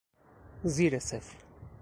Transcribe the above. زیر صفر